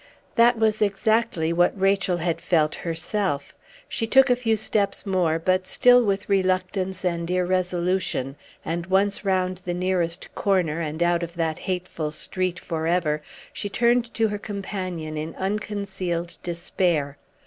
That was exactly what Rachel had felt herself; she took a few steps more, but still with reluctance and irresolution; and once round the nearest corner, and out of that hateful street for ever, she turned to her companion in unconcealed despair.